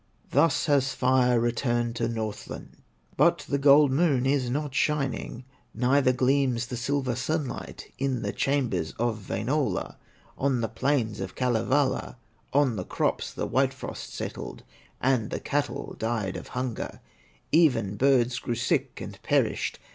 Thus has Fire returned to Northland; But the gold Moon is not shining, Neither gleams the silver sunlight In the chambers of Wainola, On the plains of Kalevala. On the crops the white frost settled, And the cattle died of hunger, Even birds grew sick and perished.